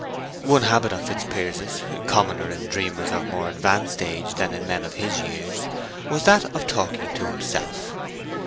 One habit of Fitzpiers's—commoner in dreamers of more advanced age than in men of his years—was that of talking to himself.